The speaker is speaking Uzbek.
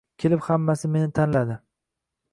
kelib hammasi meni tanladi.